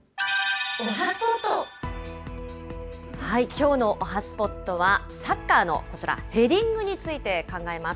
きょうのおはＳＰＯＴは、サッカーのこちら、ヘディングについて考えます。